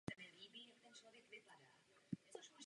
Narodil se v Brně v židovské rodině.